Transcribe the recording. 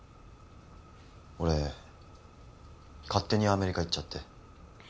俺勝手にアメリカ行っちゃって。